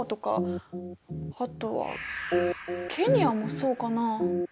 あとはケニアもそうかな？